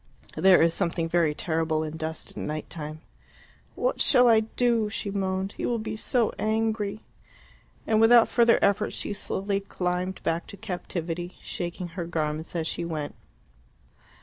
There is something very terrible in dust at night time. "What shall I do?" she moaned. "He will be so angry." And without further effort she slowly climbed back to captivity, shaking her garments as she went.